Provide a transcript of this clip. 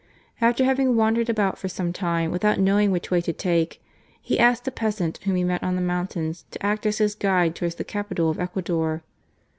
After having wandered about for some time without knowing which way to take, he asked a peasant whom he met on the mountains to act as his guide towards the capital of Ecuador.